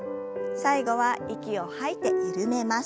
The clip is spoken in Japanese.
最後は息を吐いて緩めます。